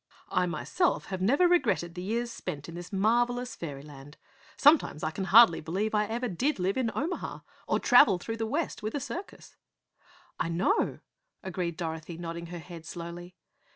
"I, myself, never have regretted the years spent in this marvelous fairy land. Sometimes I hardly can believe I ever did live in Omaha, or travel through the West with a circus." "I know," agreed Dorothy, nodding her head slowly.